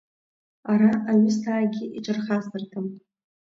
Ара аҩысҭаагьы иҿырхасырҭам.